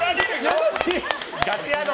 優しい。